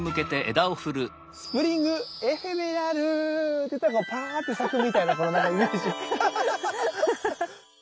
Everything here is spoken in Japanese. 「スプリング・エフェメラル」って言ったらもうパァって咲くみたいなこのイメージ。